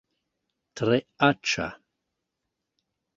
Tre aĉa